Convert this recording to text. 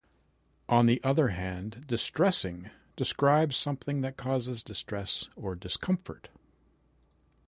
On the other hand, "distressing" describes something that causes distress or discomfort.